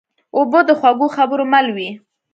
اوبه د خوږو خبرو مل وي.